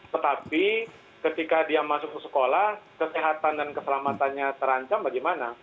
tetapi ketika dia masuk ke sekolah kesehatan dan keselamatannya terancam bagaimana